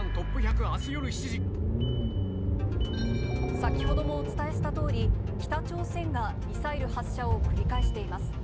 先ほどもお伝えしたとおり、北朝鮮がミサイル発射を繰り返しています。